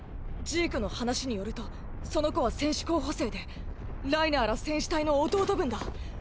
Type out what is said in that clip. ジークの話によるとその子は戦士候補生でライナーら戦士隊の弟分だ。